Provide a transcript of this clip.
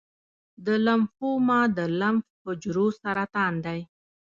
د لمفوما د لمف حجرو سرطان دی.